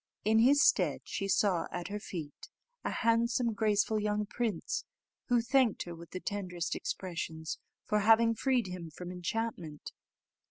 In his stead she saw at her feet a handsome, graceful young prince, who thanked her with the tenderest expressions for having freed him from enchantment.